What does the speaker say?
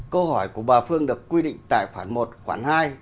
câu hỏi của bà phương được quy định tại khoản một khoản hai